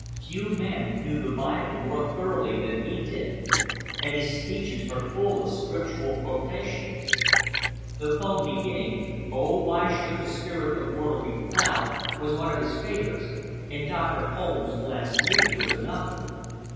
Few men knew the Bible more thoroughly than he did, and his speeches are full of scriptural quotations. The poem beginning "Oh, why should the spirit of mortal be proud?" was one of his favorites, and Dr. Holmes's "Last Leaf" was another.